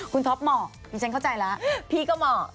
คุณต๊อปเหมาะปี๊ก็เหมาะ